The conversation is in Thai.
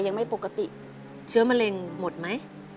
ยังไม่ปกติเชื้อมะเร็งหมดไหม